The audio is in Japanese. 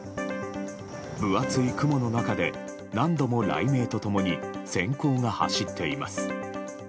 分厚い雲の中で何度も雷鳴と共に閃光が走っています。